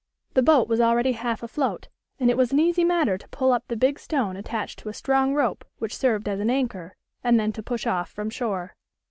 The boat was already half afloat, and it was an easy matter to pull up the big stone attached to a strong rope which served as an anchor, and then to push off from shore.